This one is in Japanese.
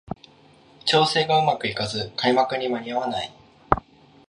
調整がうまくいかず開幕に間に合わない